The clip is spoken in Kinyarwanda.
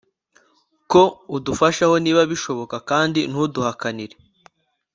ko udufashaho niba bishoboka kandi ntuduhakanire